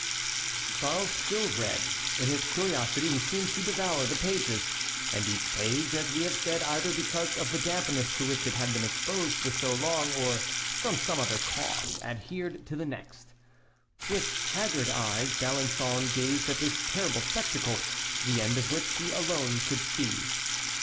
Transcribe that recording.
Charles still read. In his curiosity he seemed to devour the pages, and each page, as we have said, either because of the dampness to which it had been exposed for so long or from some other cause, adhered to the next. With haggard eyes D'Alençon gazed at this terrible spectacle, the end of which he alone could see.